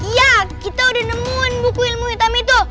iya kita udah nemuin buku ilmu hitam itu